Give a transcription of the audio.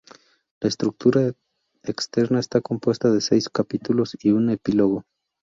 La estructura externa está compuesta de seis capítulos y un epílogo.